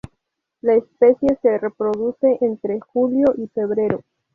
La especie se reproduce entre julio y febrero.